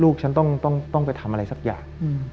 ลูกฉันต้องไปทำอะไรสักอย่าง